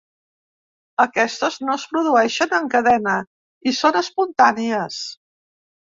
Aquestes no es produeixen en cadena i són espontànies.